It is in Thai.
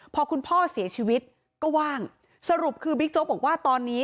พอคุณพ่อเสียชีวิตก็ว่างสรุปคือบิ๊กโจ๊กบอกว่าตอนนี้